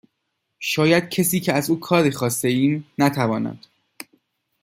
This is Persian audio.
شاید کسی که از او کاری خواسته ایم نتواند